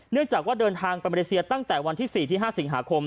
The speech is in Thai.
เนื่องจากว่าเดินทางไปเมริเศียตั้งแต่วันที่๔๕สิงหาคม